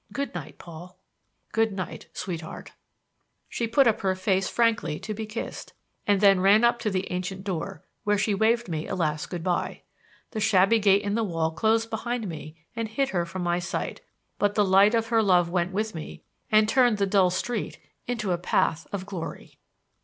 Good night, Paul." "Good night, sweetheart." She put up her face frankly to be kissed and then ran up to the ancient door; whence she waved me a last good by. The shabby gate in the wall closed behind me and hid her from my sight; but the light of her love went with me and turned the dull street into a path of glory.